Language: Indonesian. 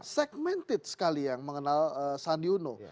segmented sekali yang mengenal sandi uno